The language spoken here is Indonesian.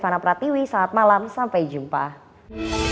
dan demikian wawancara khusus saya dengan kepala staff kepresidenan dr mudoko